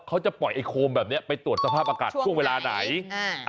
เขาจะปล่อยไอ้โคมแบบเนี้ยไปตรวจสภาพอากาศช่วงเวลาไหนอ่า